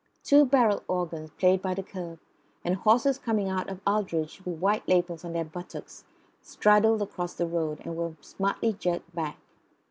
Two barrel organs played by the kerb, and horses coming out of Aldridge's with white labels on their buttocks straddled across the road and were smartly jerked back.